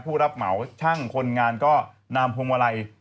ผู้รับเหมาช่างคนงานก็นำพวงมาลัย